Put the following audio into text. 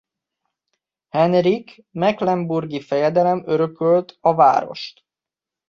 Henrik mecklenburgi fejedelem örökölt a várost.